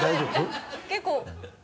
結構。